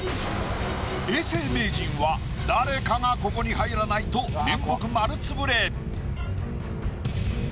永世名人は誰かがここに入らないと面目丸つぶれ。